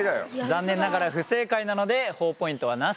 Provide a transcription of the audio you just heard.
残念ながら不正解なのでほぉポイントはなし。